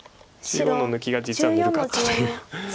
中央の抜きが実はぬるかったという。